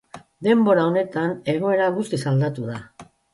Denbora honetan egoera guztiz aldatu da.